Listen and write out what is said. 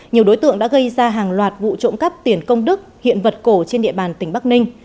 nhiều đối tượng đã gây ra hàng loạt vụ trộm cắp tiền công đức hiện vật cổ trên địa bàn tỉnh bắc ninh